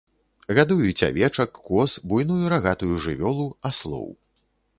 Гадуюць авечак, коз, буйную рагатую жывёлу, аслоў.